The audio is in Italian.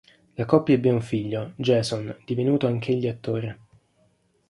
La coppia ebbe un figlio, Jason, divenuto anch'egli attore.